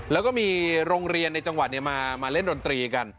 แล้วก็มีโรงเรียนในจังหวัดมาเล่นดนตรีกัน